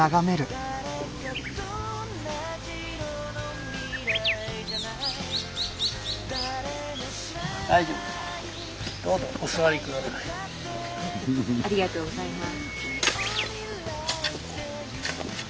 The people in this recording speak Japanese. ありがとうございます。